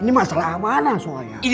ini masalah amanah soalnya